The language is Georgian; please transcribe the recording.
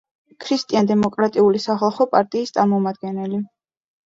ქრისტიან-დემოკრატიული სახალხო პარტიის წარმომადგენელი.